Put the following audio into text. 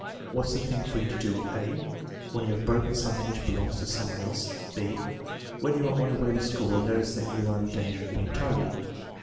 "What's the thing for you to do": (a) "When you have broken somctliing which belongs to some one else? " (b) "When you arc on your way to school and notice that you are in danger of being tardy?"